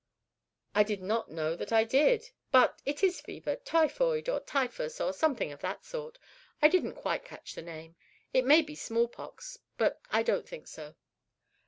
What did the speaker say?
"I do not know that I did; but it is fever—typhoid or typhus, or something of that sort. I didn't quite catch the name. It may be smallpox, but I don't think so."